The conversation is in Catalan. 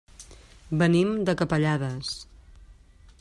Venim de Capellades.